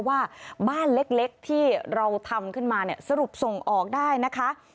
ว่าบ้านเล็กที่เราทำขึ้นมาเนี่ยสรุปส่งออกได้นะคะ